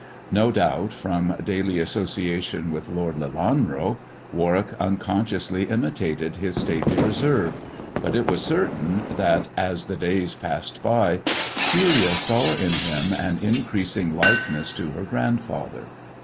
No doubt, from daily association with Lord Lelanro, Warwick unconsciously imitated his stately reserve ; but it was certain that, as the days passed by, Celia saw in him an increasing likeness to her grandfather.